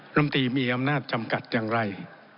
ลำตีมีอำนาจจำกัดอย่างไร